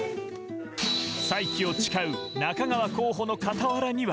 再起を誓う中川候補の傍らには。